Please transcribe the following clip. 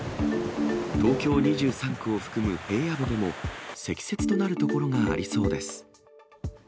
東京２３区を含む平野部でも、積雪となる所がありそうです。